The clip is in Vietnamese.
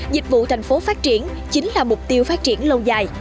dịch vụ thành phố phát triển chính là mục tiêu phát triển lâu dài